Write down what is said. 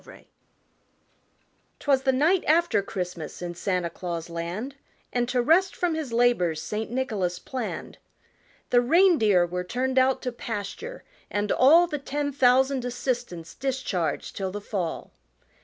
FIELD Twas the night after Christmas in Santa Claus land And to rest from his labors St. Nicholas planned. The reindeer were turned out to pasture and all The ten thousand assistants discharged till the fall.